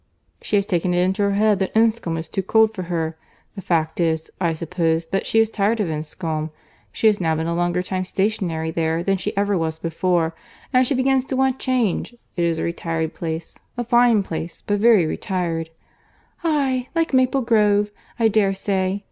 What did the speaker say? "She has taken it into her head that Enscombe is too cold for her. The fact is, I suppose, that she is tired of Enscombe. She has now been a longer time stationary there, than she ever was before, and she begins to want change. It is a retired place. A fine place, but very retired." "Aye—like Maple Grove, I dare say.